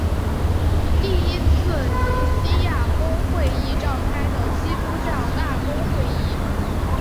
第一次尼西亚公会议召开的基督教大公会议。